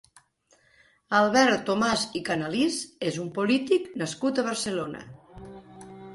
Albert Tomàs i Canalís és un polític nascut a Barcelona.